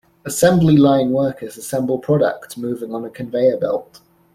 Assembly line workers assemble products moving on a conveyor belt.